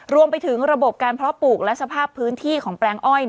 รวมไปถึงระบบการเพาะปลูกและสภาพพื้นที่ของแปลงอ้อย